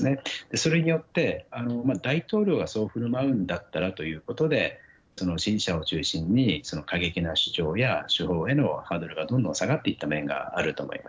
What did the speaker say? それによって大統領がそうふるまうんだったらということで支持者を中心に過激な主張や手法へのハードルはどんどん下がっていった面があると思います。